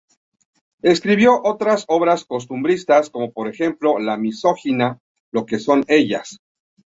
Escribió otras obras costumbristas, por ejemplo la misógina "Lo que son ellas.